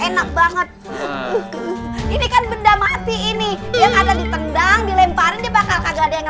enak banget ini kan benda mati ini yang ada ditendang dilemparin dia bakal kagak ada yang